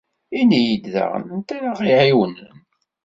Ini-yi-d daɣen anta ara ɣ-iɛiwnen.